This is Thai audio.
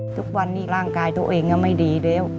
ทุกวันนี้ร่างกายตัวเองไม่ดีแล้ว